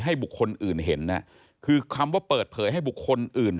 บุคคลอื่นเห็นน่ะคือคำว่าเปิดเผยให้บุคคลอื่น